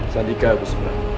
sandika gusti brahm